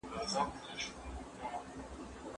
خلع د ښځې د راحت او آرامۍ سبب ده.